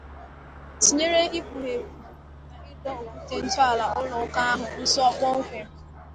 tinyere ikpughèpù na ido okwute ntọala ụlọ ụka ahụ nsọ kpọnkwem